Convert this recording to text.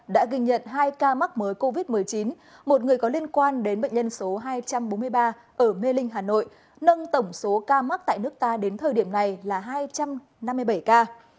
đã ghi nhận hai ca mắc mới covid một mươi chín một người có liên quan đến bệnh nhân số hai trăm bốn mươi ba ở mê linh hà nội nâng tổng số ca mắc tại nước ta đến thời điểm này là hai trăm năm mươi bảy ca